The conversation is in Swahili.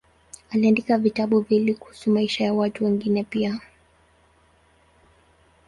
Aliandika vitabu viwili kuhusu maisha ya watu wengine pia.